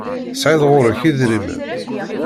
Tesεiḍ ɣur-k idrimen?